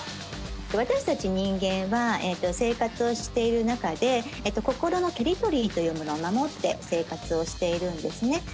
私たち人間は生活をしている中で心のテリトリーというものを守って生活をしているんですね。